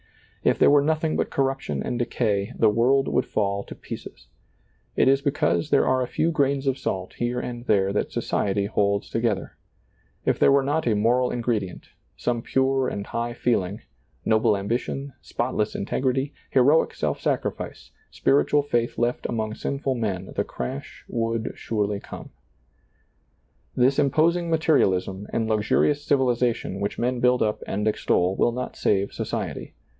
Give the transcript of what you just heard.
If there were nothing but corruption and decay, the world would fall to pieces. It is because there are a few grains of salt here and there that socie^ holds together. If there were not a moral ingredient, some pure and high feeling, noble ambition, spot less integrity, heroic self sacrifice, spiritual faith left among sinful men, the crash would surely ^lailizccbvGoOgle PAUL ABOARD 113 This imposing materialism and luxurious civil ization which men build up and extol will not save society.